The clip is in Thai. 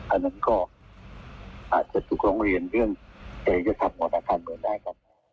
อันนั้นก็อาจจะถูกร้องเรียนเรื่องเศรษฐ์ธรรมนาคารเหมือนกัน